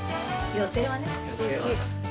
予定はな。